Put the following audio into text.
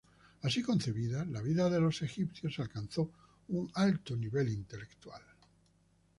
Así concebida, la vida de los egipcios alcanzó un alto nivel intelectual.